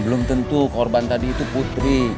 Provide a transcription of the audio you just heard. belum tentu korban tadi itu putri